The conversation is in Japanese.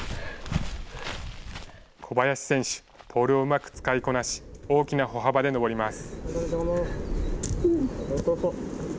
小林選手、ポールをうまく使いこなし、大きな歩幅で登ります。